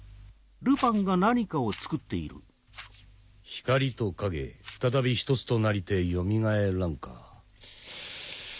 「光と影再び１つとなりてよみがえらん」か。